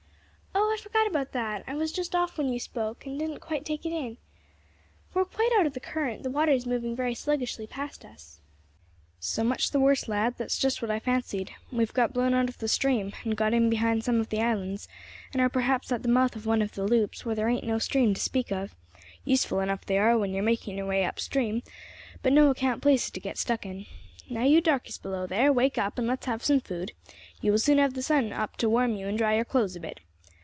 "Oh, I forgot about that; I was just off when you spoke, and didn't quite take it in. We are quite out of the current; the water is moving very sluggishly past us." "So much the worse, lad; that's just what I fancied. We have got blown out of the stream, and got in behind some of the islands, and are perhaps at the mouth of one of the loops where there ain't no stream to speak of; useful enough they are when you are making your way up stream, but no account places to get stuck in. Now you darkeys below there, wake up, and let's have some food; you will soon have the sun up to warm you and dry your clothes a bit.